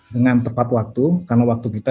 dengan tepat waktu karena waktu kita